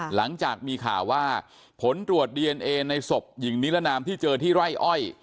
หลังจากมีข่าวว่าผลตรวจดีเอนเอในศพหญิงนิรนามที่เจอที่ไร่อ้อย